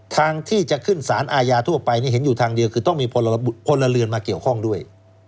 ทางที่จะขึ้นสารอายาทั่วไปดูทางเดียวก็แต่คือต้องมีคนละเรือนเขียวข้องด้วย